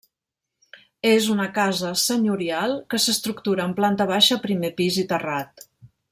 És una casa senyorial que s'estructura en planta baixa, primer pis i terrat.